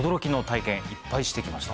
いっぱいして来ました